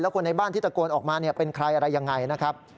คนในบ้านที่ตะโกนออกมาเป็นใครอะไรยังไงนะครับ